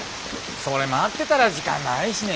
それ待ってたら時間ないしね。